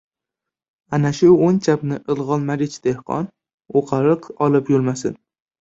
Ana shu o‘ng-chapni ilg‘olmagich dehqon o‘qariq olib yurmasin.